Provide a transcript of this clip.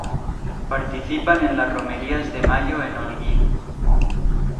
Participan en las Romerías de Mayo en Holguín.